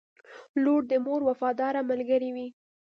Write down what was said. • لور د مور وفاداره ملګرې وي.